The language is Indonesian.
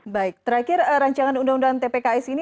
baik terakhir rancangan undang undang tpks ini